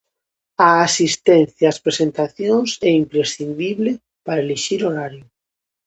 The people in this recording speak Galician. A asistencia ás presentacións é imprescindible para elixir horario.